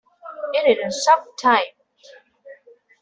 It is a sub-type.